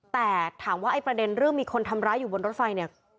แต่ถามว่าไอ้ประเด็นเรื่องมีคนทำร้ายอยู่บนรถไฟเนี่ย